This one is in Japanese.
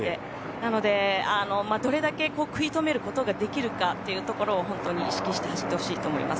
なので、どれだけ食い止めることができるかっていうところを本当に意識して走ってほしいと思います。